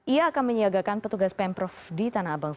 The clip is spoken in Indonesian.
ia akan menyiagakan petugas pemprov di tanah abang